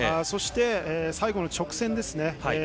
そして、最後の直線ですね。